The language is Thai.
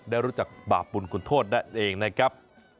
ได้รู้จักบาปบุญคุณโทษนั่นเองนะครับ